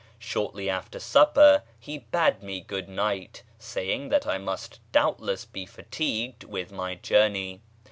Shortly after supper he bade me good night, saying that I must doubtless be fatigued with my journey.